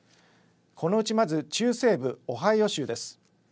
このうちまず中西部、オハイオ州です。